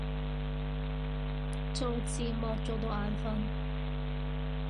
做字幕做到眼憤